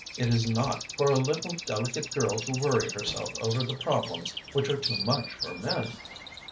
"It is not for a little, delicate girl to worry herself over the problems which are too much for men."